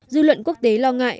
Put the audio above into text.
dư luận quốc tế lo ngại